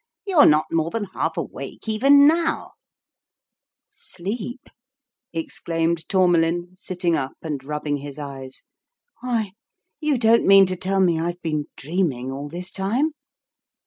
" You're not more than half awake even now !"" Sleep ?" exclaimed Tourmalin, sitting up and rubbing his eyes. " Why, you don't mean to tell me I've been dreaming all this time